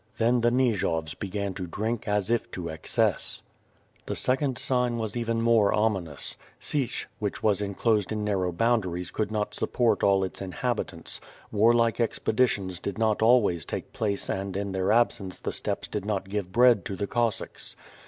Then, the Nijovs began to drink as if to excess. The second sign was even more orninous. Sieh, which was enclosed in narrow boundaries could not support all its inha 88 WITH FIRE AND SWORD. gg bitants; warlike expeditions did not always take plaee and in their absence the steppes did not give bread to the Cossacks.